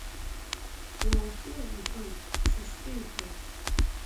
Уа утәы иҳәоит, са стәы иҳәоит.